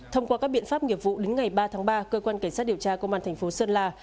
thông qua các biện pháp nghiệp vụ đến ngày ba tháng ba cơ quan cảnh sát điều tra công an thành phố sơn la